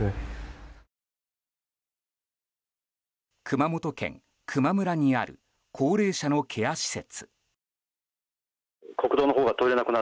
熊本県球磨村にある高齢者のケア施設。